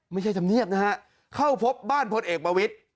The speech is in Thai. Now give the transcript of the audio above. ไม่ใช่จำเนียบนะฮะเข้าพบบ้านพลเอกบาวิทย์